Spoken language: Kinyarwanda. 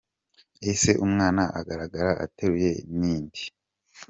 Ese umwana agaragara ateruye ni inde?